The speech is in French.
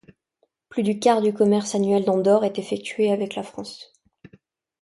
Plus du quart du commerce annuel d'Andorre est effectué avec la France.